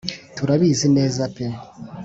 Turabizi neza pe